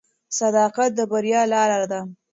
صداقت د بریا لاره ده.